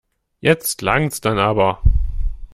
Jetzt langts dann aber.